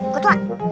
kau tau gak